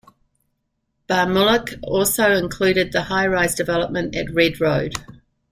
Barmulloch also included the High rise development at Red Road.